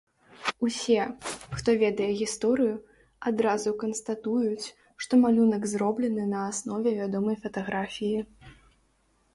Усе, хто ведае гісторыю, адразу канстатуюць, што малюнак зроблены на аснове вядомай фатаграфіі.